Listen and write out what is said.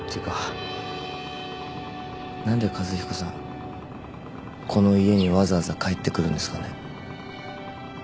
何で和彦さんこの家にわざわざ帰ってくるんですかね。